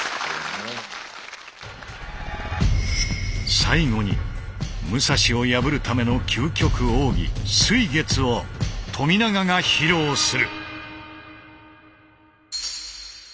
最後に武蔵を破るための究極奥義「水月」を冨永が披露する。